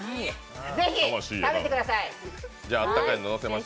ぜひ食べてください。